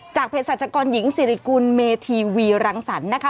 เพศรัชกรหญิงสิริกุลเมธีวีรังสรรค์นะคะ